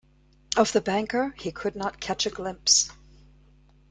Of the banker he could not catch a glimpse.